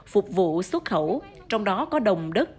phục vụ xuất khẩu trong đó có đồng đất